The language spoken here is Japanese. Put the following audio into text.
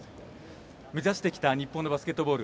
目指してきた日本のバスケットボール。